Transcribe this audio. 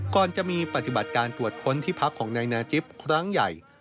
ก่อนจะมีปฏิบัติการตรวจค้นที่พักของนายนาจิปครั้งใหญ่